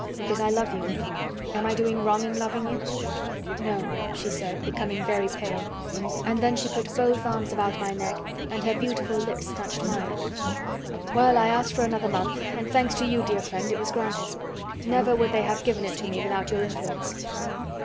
"Because I love you. Am I doing wrong in loving you?" "No," she said, becoming very pale, and then she put both arms about my neck and her beautiful lips touched mine. Well, I asked for another month and, thanks to you, dear friend, it was granted. Never would they have given it to me without your influence.